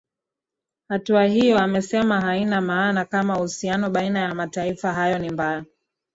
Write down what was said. hatua hiyo amesema haina maana kama uhusiano baina ya mataifa hayo ni mbaya